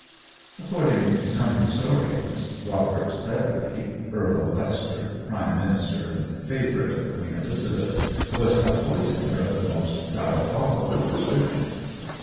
According to some historians, Robert Dudley, Earl of Leicester, Prime Minister and favourite of Queen Elizabeth, was a poisoner of the most diabolical description.